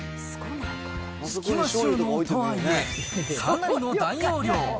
隙間収納とはいえ、かなりの大容量。